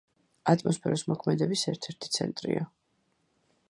ატმოსფეროს მოქმედების ერთ-ერთი ცენტრია.